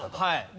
はい。